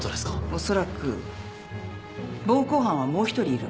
おそらく暴行犯はもう１人いる。